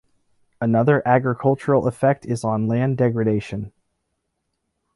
Another agricultural effect is on land degradation.